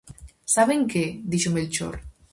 -Saben que? -dixo Melchor-.